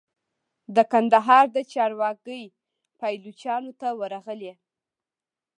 د کندهار د چارو واګي پایلوچانو ته ورغلې.